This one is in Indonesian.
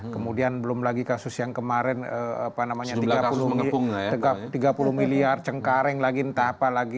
kemudian belum lagi kasus yang kemarin tiga puluh miliar cengkareng lagi entah apa lagi